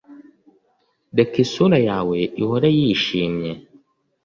reka isura yawe ihore yishimye